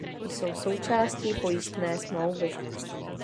Jsou součástí pojistné smlouvy.